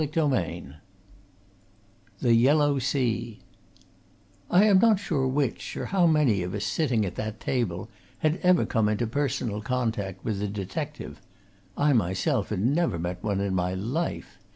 CHAPTER X THE YELLOW SEA I am not sure which, or how many, of us sitting at that table had ever come into personal contact with a detective I myself had never met one in my life!